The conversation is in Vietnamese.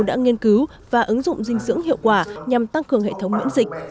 đã nghiên cứu và ứng dụng dinh dưỡng hiệu quả nhằm tăng cường hệ thống miễn dịch